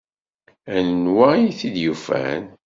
Anwa ay t-id-yufan?